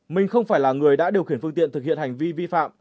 mình không phải là người đã điều khiển phương tiện thực hiện hành vi vi phạm